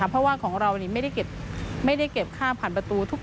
เพราะว่าของเราไม่ได้เก็บค่าผ่านประตูทุก